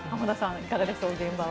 いかがでしょう現場は。